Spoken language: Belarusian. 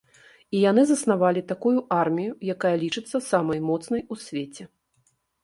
І яны заснавалі такую армію, якая лічыцца самай моцнай у свеце.